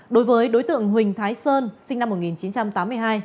đối với đối tượng huỳnh thái sơn sinh năm một nghìn chín trăm tám mươi hai